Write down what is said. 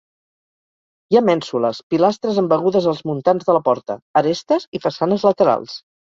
Hi ha mènsules, pilastres embegudes als muntants de la porta, arestes i façanes laterals.